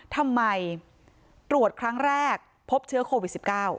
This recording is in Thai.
ทำไมตรวจครั้งแรกพบเชื้อโควิด๑๙